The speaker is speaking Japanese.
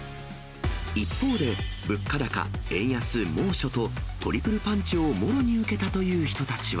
一方で、物価高、円安、猛暑と、トリプルパンチをもろに受けたという人たちは。